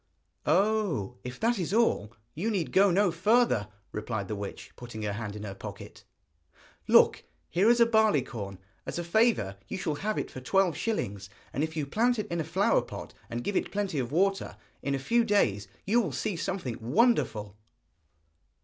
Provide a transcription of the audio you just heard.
'Oh, if that is all, you need go no further,' replied the witch, putting her hand in her pocket. 'Look, here is a barley corn, as a favour you shall have it for twelve shillings, and if you plant it in a flower pot, and give it plenty of water, in a few days you will see something wonderful.'